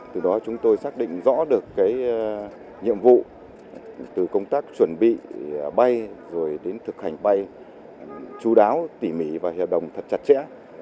từ đó chúng tôi xác định rõ được nhiệm vụ từ công tác chuẩn bị bay rồi đến thực hành bay chú đáo tỉ mỉ và hiệp đồng thật chặt chẽ